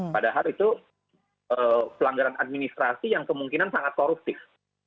padahal itu pelanggaran administrasi yang kemungkinan sangat koruptif